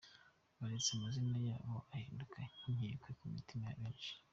Baratse amazina yabo ahinduka inkekwe mu mitima ya benshi.